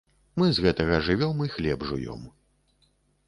Мы з гэтага жывём і хлеб жуём.